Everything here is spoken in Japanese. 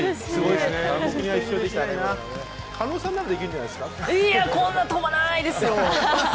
いやこんな飛ばないですよ！